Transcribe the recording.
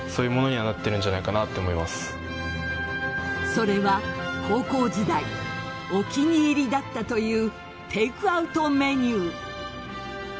それは高校時代お気に入りだったというテークアウトメニュー。